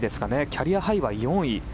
キャリアハイは４位。